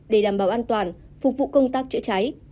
để đảm bảo an toàn phục vụ công tác chữa cháy